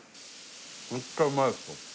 めっちゃうまいですよ。